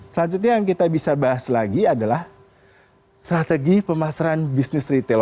selanjutnya yang kita bisa bahas lagi adalah strategi pemasaran bisnis retail